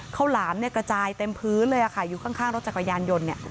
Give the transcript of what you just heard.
หลามเนี่ยกระจายเต็มพื้นเลยค่ะอยู่ข้างรถจักรยานยนต์เนี่ย